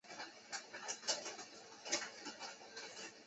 现任校长为韩民。